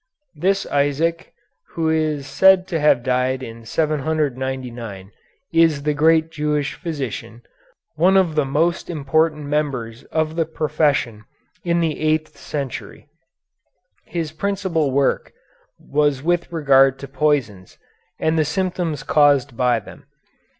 This Isaac, who is said to have died in 799, is the great Jewish physician, one of the most important members of the profession in the eighth century. His principal work was with regard to poisons and the symptoms caused by them.